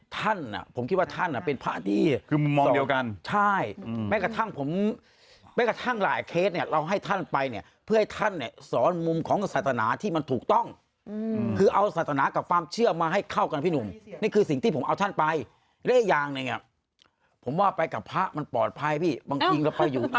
ท่านอ่ะผมคิดว่าท่านเป็นพระที่คือมุมมองเดียวกันใช่แม้กระทั่งผมแม้กระทั่งหลายเคสเนี่ยเราให้ท่านไปเนี่ยเพื่อให้ท่านเนี่ยสอนมุมของศาสนาที่มันถูกต้องคือเอาศาสนากับความเชื่อมาให้เข้ากันพี่หนุ่มนี่คือสิ่งที่ผมเอาท่านไปและอีกอย่างหนึ่งอ่ะผมว่าไปกับพระมันปลอดภัยพี่บางทีเราไปอยู่